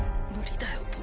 無理だよ